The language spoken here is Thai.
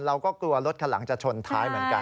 เราก็กลัวรถคันหลังจะชนท้ายเหมือนกัน